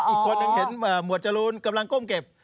อีกคนหนึ่งเห็นหมวดจรูนกำลังก้มเก็บ